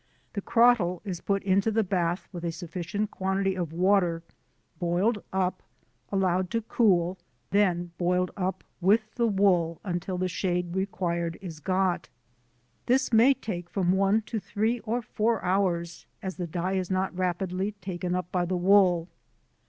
The crottle is put into the bath with a sufficient quantity of water, boiled up, allowed to cool, then boiled up with the wool until the shade required is got. This may take from one to three or four hours, as the dye is not rapidly taken up by the wool.